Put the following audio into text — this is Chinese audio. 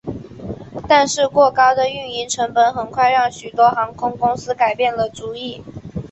但是过高的运营成本很快让许多航空公司改变了主意。